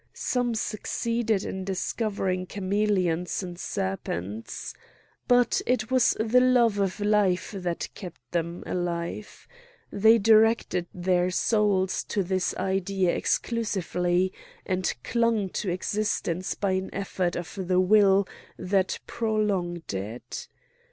Some succeeded in discovering chameleons and serpents. But it was the love of life that kept them alive. They directed their souls to this idea exclusively, and clung to existence by an effort of the will that prolonged it.